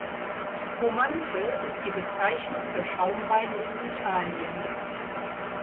Spumante ist die Bezeichnung für Schaumwein in Italien.